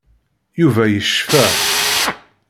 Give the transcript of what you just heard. Yuba yecfa.